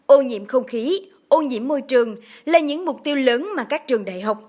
ô nhiễm không khí ô nhiễm môi trường là những mục tiêu lớn mà các trường đại học